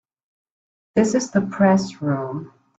This is the Press Room.